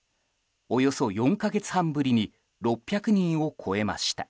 およそ４か月半ぶりに６００人を超えました。